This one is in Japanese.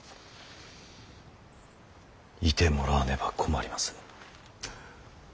いてもらわねば困ります。